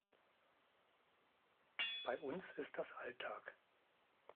Bei uns ist das Alltag.